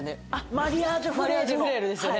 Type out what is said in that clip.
マリアージュフレールですよね？